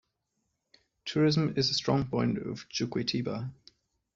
Tourism is a strong point of Juquitiba.